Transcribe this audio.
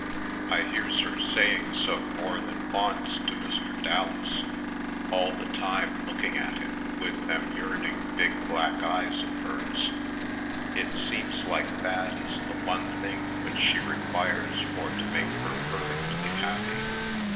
I hears her saying 122 /. PomdexteTj Colored so more than once to Mr. Dallas, all the time looking at him with them yearning big black eyes of hers. It seems like that is the one thing which she requires for to make her perfectly happy.